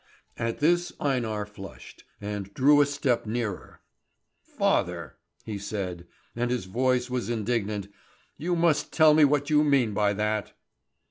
At this Einar flushed, and drew a step nearer. "Father!" he said, and his voice was indignant; "you must tell me what you mean by that."